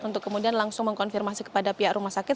untuk kemudian langsung mengkonfirmasi kepada pihak rumah sakit